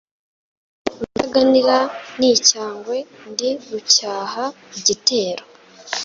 Rutaganira n'icyangwe, ndi Rucyaha igitero.